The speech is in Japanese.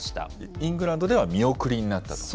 イングランドでは見送りになったと。